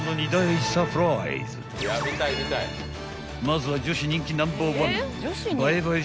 ［まずは女子人気ナンバーワン映え映え